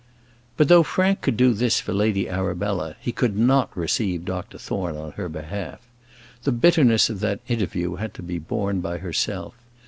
But though Frank could do this for Lady Arabella, he could not receive Dr Thorne on her behalf. The bitterness of that interview had to be borne by herself.